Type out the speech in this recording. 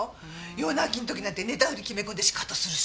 夜泣きの時なんて寝たふり決め込んでシカトするし。